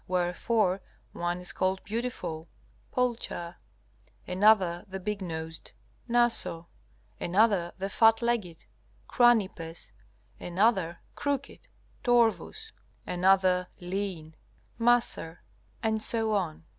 Wherefore one is called Beautiful (Pulcher), another the Big nosed (Naso), another the Fat legged (Cranipes), another Crooked (Torvus), another Lean (Macer), and so on.